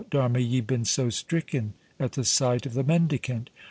d' Armilly been so stricken at the sight of the mendicant?